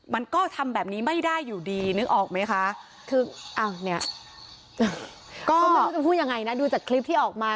มันก็ทำแบบนี้ไม่ได้อยู่ดีนึกออกไหมคะ